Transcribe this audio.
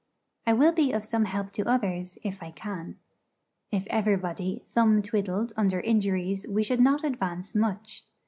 I will be of some help to others if I can. If everybody thumb twiddled under injuries we should not advance much.